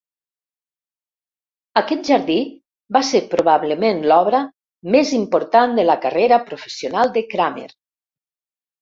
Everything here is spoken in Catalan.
Aquest jardí va ser probablement l'obra més important de la carrera professional de Cramer